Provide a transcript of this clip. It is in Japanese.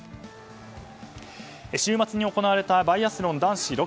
週末に行われたバイアスロン男子６ｋｍ。